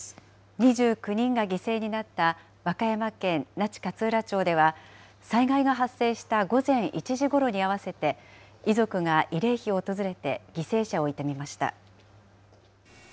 ２９人が犠牲になった和歌山県那智勝浦町では、災害が発生した午前１時ごろに合わせて、遺族が慰霊碑を訪れて犠牲者を悼みました。